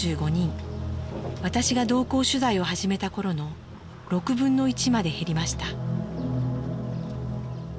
私が同行取材を始めた頃の６分の１まで減りました。